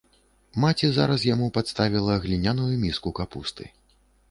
Маці зараз яму падставіла гліняную міску капусты.